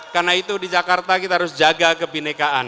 karena itu di jakarta kita harus jaga kebenekaan